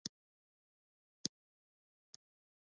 د کنجدو صادرات شته.